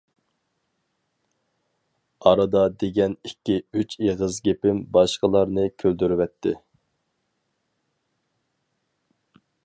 ئارىدا دېگەن ئىككى-ئۈچ ئېغىز گېپىم باشقىلارنى كۈلدۈرۈۋەتتى.